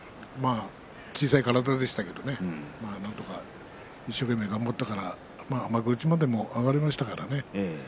小さい体でしたけれどもなんとか一生懸命頑張ったから幕内までも上がれましたからね。